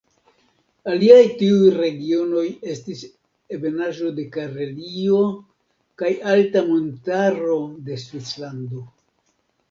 Aliaj tiuj regionoj estis ebenaĵo de Karelio kaj alta montaro de Svislando.